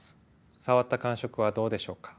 触った感触はどうでしょうか？